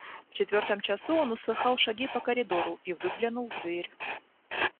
В четвертом часу он услыхал шаги по коридору и выглянул в дверь.